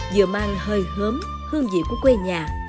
vừa mang hơi hớm hương vị của quê nhà